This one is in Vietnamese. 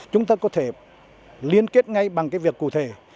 chúng ta có thể liên kết ngay bằng cái việc cụ thể